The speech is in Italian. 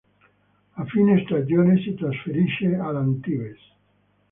A fine stagione si trasferisce all'Antibes.